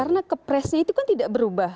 karena kepresnya itu kan tidak berubah